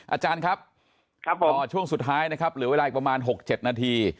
อาจารย์ครับช่วงสุดท้ายนะครับเหลือเวลาอีกประมาณ๖๗นาที